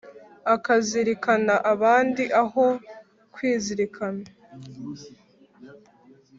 akazirikana abandi aho kwizirikana